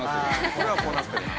これはこうなってるな。